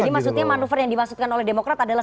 jadi maksudnya manuver yang dimaksudkan oleh demokrat adalah